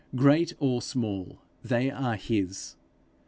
Great or small, they are his.